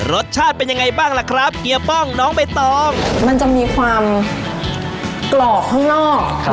รสชาติเป็นยังไงบ้างล่ะครับเฮียป้องน้องใบตองมันจะมีความกรอบข้างนอก